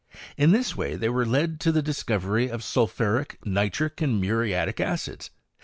In this way they were led to the dis , covery of sulphuric, nitric, and muriatic acids.